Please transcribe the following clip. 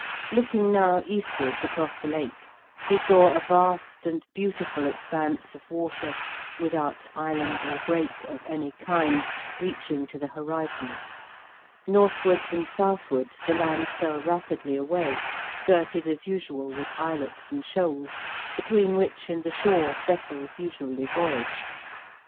Looking now eastwards, across the Lake, he saw a vast and beautiful expanse of water, without island or break of any kind, reaching to the horizon. Northwards and southwards the land fell rapidly away, skirted as usual with islets and shoals, between which and the shore vessels usually voyaged.